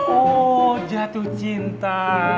oh jatuh cinta